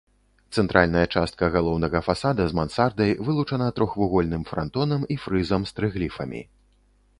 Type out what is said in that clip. Цэнтральная частка галоўнага фасада з мансардай вылучана трохвугольным франтонам і фрызам з трыгліфамі.